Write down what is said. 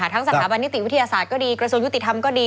สถาบันนิติวิทยาศาสตร์ก็ดีกระทรวงยุติธรรมก็ดี